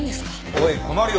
おい困るよ